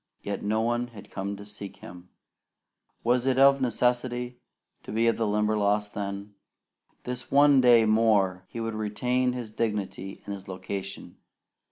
Yet no one had come to seek him. Was it of necessity to be the Limberlost then? This one day more he would retain his dignity and his location.